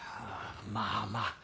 まあまあ。